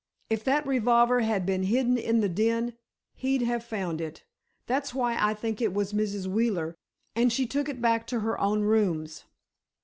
If that revolver had been hidden in the den, he'd have found it. That's why I think it was Mrs. Wheeler, and she took it back to her own rooms."